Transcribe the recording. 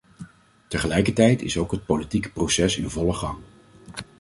Tegelijkertijd is ook het politieke proces in volle gang.